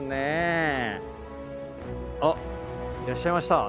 あっいらっしゃいました。